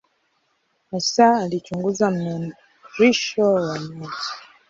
Hasa alichunguza mnururisho wa nyota.